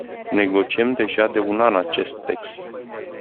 Negociem deja de un an acest text.